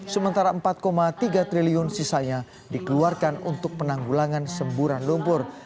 sementara empat tiga triliun sisanya dikeluarkan untuk penanggulangan semburan lumpur